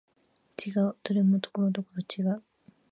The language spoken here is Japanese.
違う、どれもところどころ違う